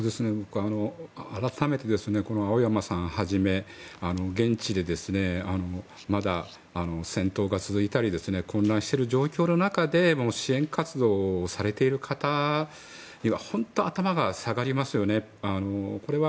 改めて、青山さんをはじめ現地でまだ戦闘が続いたり混乱している状況の中での支援活動されている方には本当に頭が下がりますよね。